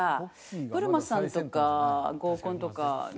ぶるまさんとか合コンとかね